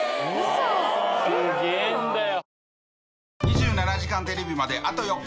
すげぇんだよ。